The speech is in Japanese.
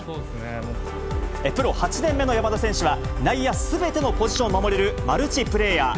プロ８年目の山田選手は、内野すべてのポジションを守れるマルチプレーヤー。